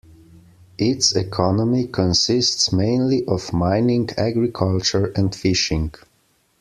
Its economy consists mainly of mining, agriculture and fishing.